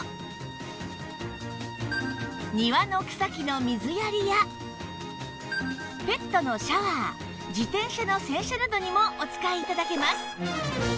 庭の草木の水やりやペットのシャワー自転車の洗車などにもお使い頂けます